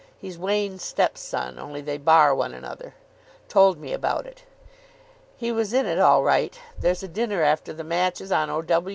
He's Wain's step son, only they bar one another) told me about it. He was in it all right. There's a dinner after the matches on O.